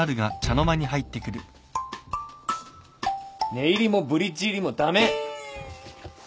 寝入りもブリッジ入りも駄目！